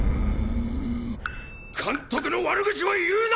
監督の悪口は言うな！